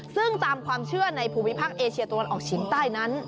ซึ่งตามความเชื่อในภูมิภาคเอเชียตะวันออกเฉียงใต้นั้น